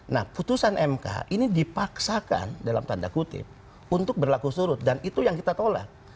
nah putusan mk ini dipaksakan dalam tanda kutip untuk berlaku surut dan itu yang kita tolak